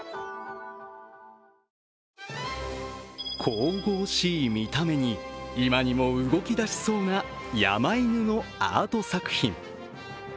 神々しい見た目に今にも動き出しそうな山犬のアート作品。